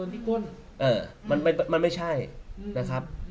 โดนที่คนเออมันไม่ใช่นะครับ